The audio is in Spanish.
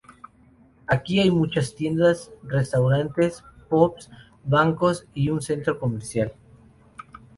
Aquí hay muchas tiendas, restaurantes, pubs, bancos y un centro comercial.